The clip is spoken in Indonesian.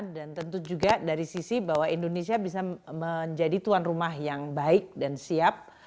dan tentu juga dari sisi bahwa indonesia bisa menjadi tuan rumah yang baik dan siap